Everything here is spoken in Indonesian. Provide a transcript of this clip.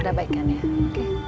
udah baikan ya oke